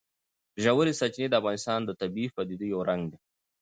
ژورې سرچینې د افغانستان د طبیعي پدیدو یو رنګ دی.